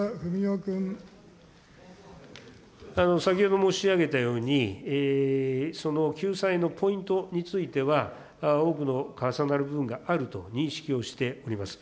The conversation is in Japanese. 先ほど申し上げたように、救済のポイントについては、多くの重なる部分があると認識をしております。